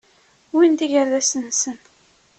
Wwin-d igerdasen-nsen.